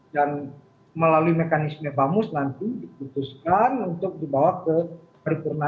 dan melalui mekanisme bamus nanti diputuskan untuk dibawa ke paripurna